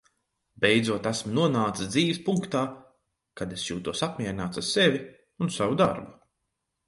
Beidzot esmu nonācis dzīves punktā, kad es jūtos apmierināts ar sevi un savu darbu.